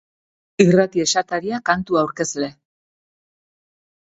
Irrati esataria kantu aurkezle.